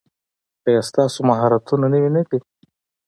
ایا ستاسو مهارتونه نوي نه دي؟